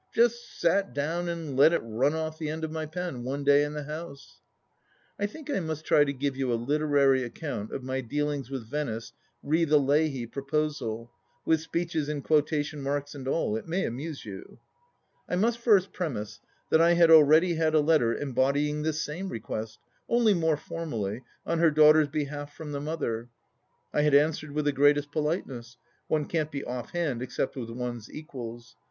Just sat down and let it run off the end of my pen, one day in the house ! I think I must try to give you a literary account of my dealings with Venice re the Leahy proposal, with speeches and quotation marks and all ! It may amuse you. I must first premise that I had already had a letter embody ing the same request, only more formally, on her daughter's behalf from the mother. I had answered with the greatest politeness. One can't be offhand except with one's equals.